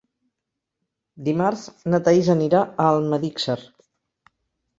Dimarts na Thaís anirà a Almedíxer.